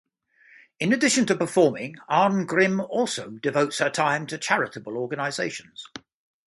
In addition to performing, Arngrim also devotes her time to charitable organizations.